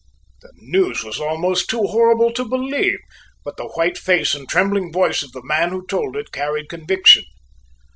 The news was almost too horrible to believe; but the white face and trembling voice of the man who told it, carried conviction.